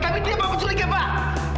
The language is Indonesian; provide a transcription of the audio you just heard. tapi dia mau menjuri dia pak